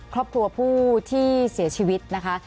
ครอบครัวผู้ที่เสียชีวิตนะคะ